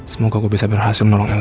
semoga gua bisa berhasil christan